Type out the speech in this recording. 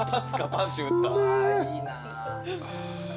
パンチ打った。